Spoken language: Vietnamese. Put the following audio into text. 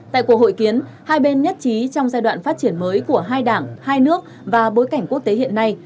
tại cuộc hội kiến hai bên nhất trí trong giai đoạn phát triển mới của hai đảng hai nước và bối cảnh quốc tế hiện nay